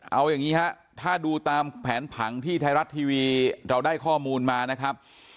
เอาอย่างนี้ฮะถ้าดูตามแผนผังที่ไทยรัฐทีวีเราได้ข้อมูลมานะครับ